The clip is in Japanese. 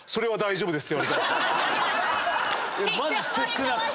マジ切なくて。